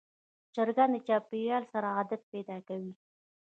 چرګان د چاپېریال سره عادت پیدا کوي.